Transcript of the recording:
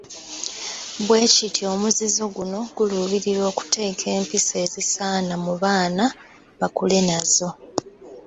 Bwe kityo omuzizo guno guluubirira kuteeka mpisa ezisaana mu baana bakule nazo.